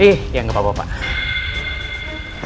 eh ya enggak apa apa pak